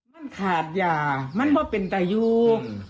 มันขาดยามันพอเป็นตายูอืม